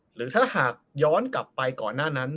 หรือถ้าหากย้อนกลับไปก่อนหน้านั้น